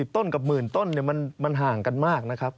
ต้นกับหมื่นต้นมันห่างกันมากนะครับ